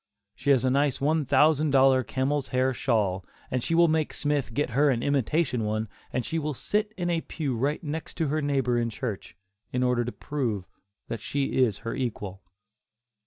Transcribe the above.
She has a nice one thousand dollar camel's hair shawl, and she will make Smith get her an imitation one and she will sit in a pew right next to her neighbor in church, in order to prove that she is her equal.